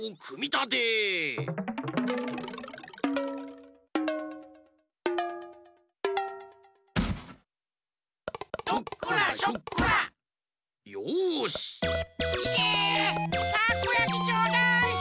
たこやきちょうだい！